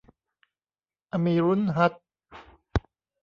อะมีรุ้ลฮัจย์